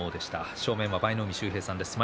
正面は舞の海秀平さんです。